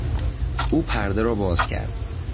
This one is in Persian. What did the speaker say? او پرده را باز کرد.